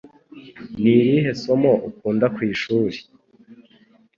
Ni irihe somo ukunda kwishuri?